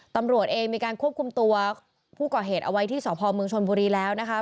ตำรวจเองมีการควบคุมตัวผู้ก่อเหตุเอาไว้ที่สพเมืองชนบุรีแล้วนะคะ